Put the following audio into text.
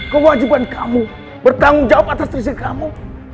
kewajiban kamu bertanggung jawab atas risih kamu